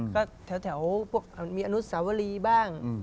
ก็แถวพวกมีอนุสาวรีบ้าง